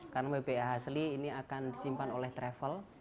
karena bpih asli ini akan disimpan oleh travel